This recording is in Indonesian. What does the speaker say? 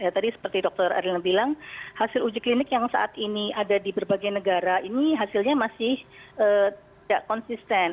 tadi seperti dr erlina bilang hasil uji klinik yang saat ini ada di berbagai negara ini hasilnya masih tidak konsisten